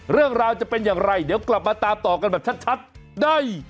เรื่องราวจะเป็นอย่างไรเดี๋ยวกลับมาตามต่อกันแบบชัดได้